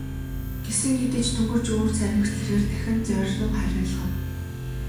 Гэсэн хэдий ч дөнгөж үүр цаймагц тэрээр дахин зоорьруу харайлгав.